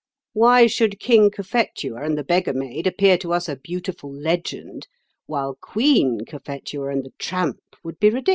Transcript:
Why should King Cophetua and the Beggar Maid appear to us a beautiful legend, while Queen Cophetua and the Tramp would be ridiculous?"